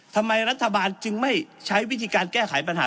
ทำไมรัฐบาลจึงไม่ใช้วิธีการแก้ไขปัญหา